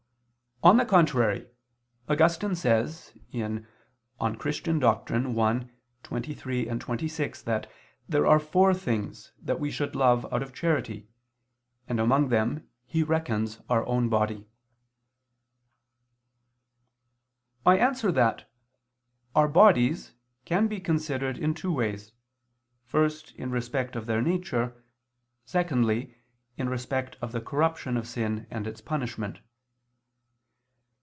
On the contrary, Augustine says (De Doctr. Christ. i, 23, 26) that there are four things that we should love out of charity, and among them he reckons our own body. I answer that, Our bodies can be considered in two ways: first, in respect of their nature, secondly, in respect of the corruption of sin and its punishment.